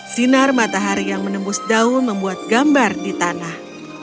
sinar matahari yang menembus daun membuat gambar di tanah